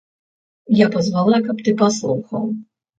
Я пазвала, каб ты паслухаў.